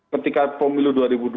ketika pemilu dua ribu dua puluh